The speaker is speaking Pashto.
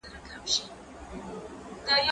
زه پرون چپنه پاکه کړه